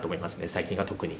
最近は特に。